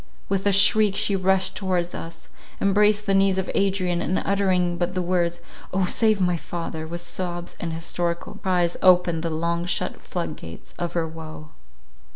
With a shriek she rushed towards us, embraced the knees of Adrian, and uttering but the words, "O save my father!" with sobs and hysterical cries, opened the long shut floodgates of her woe.